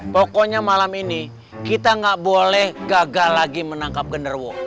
pokoknya malam ini kita nggak boleh gagal lagi menangkap genderuwo